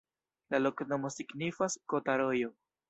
La loknomo signifas: kota-rojo.